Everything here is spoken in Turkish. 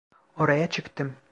Oraya çıktım.